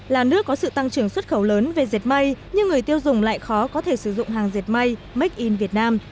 là nước có sự tăng trưởng xuất khẩu lớn về dệt may nhưng người tiêu dùng lại khó có thể sử dụng hàng dệt may make in việt nam